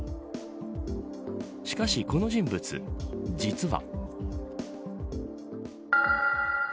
しかしこの人物、実は。